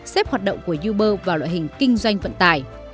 xếp hoạt động của uber vào loại hình kinh doanh vận tải